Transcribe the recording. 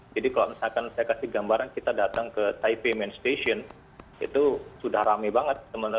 jadi kalau misalkan saya kasih gambaran kita datang ke taipei main station itu sudah rame banget